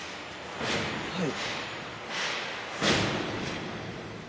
はい。